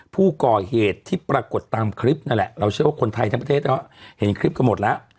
ผู้ก่อเหตุที่ปรากฏตามคลิปนั่นแหละเราเชื่อว่าคนไทยทั้งประเทศก็เห็นคลิปกันหมดแล้ว